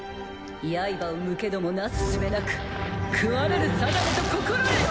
刃を向けどもなすすべなく食われる定めと心得よ！